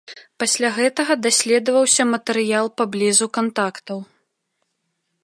Пасля гэтага даследаваўся матэрыял паблізу кантактаў.